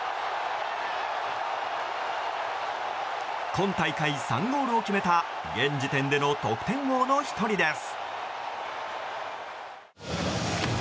今大会３ゴールを決めた現時点での得点王の１人です。